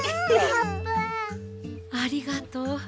ありがとう。